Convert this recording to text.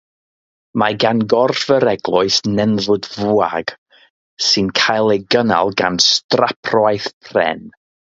Mae gan gorff yr eglwys nenfwd fwaog sy'n cael ei gynnal gan strapwaith pren.